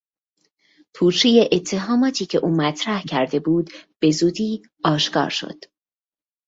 پوچی اتهاماتی که او مطرح کرده بود بزودی آشکار شد.